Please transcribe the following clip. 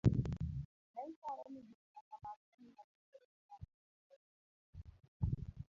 Ne iparo ni gik ma kamago ne nyalo kelo chandruok mag yuto.